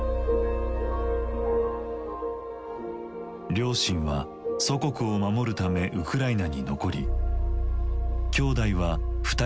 両親は祖国を守るためウクライナに残り姉弟は２人だけで避難。